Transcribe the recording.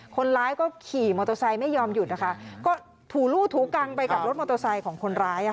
คนร้ายก็ขี่มอเตอร์ไซค์ไม่ยอมหยุดนะคะก็ถูลู่ถูกังไปกับรถมอเตอร์ไซค์ของคนร้าย